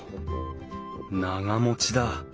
長持ちだ。